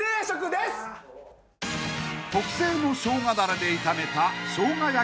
［特製のしょうがだれで炒めた］